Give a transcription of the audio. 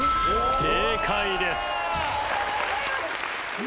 正解です。